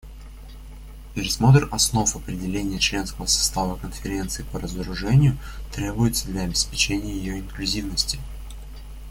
Пересмотр основ определения членского состава Конференции по разоружению требуется для обеспечения ее инклюзивности.